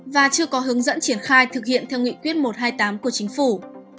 và chưa có hướng dẫn triển khai thực hiện theo nghị quyết một trăm hai mươi tám của chính phủ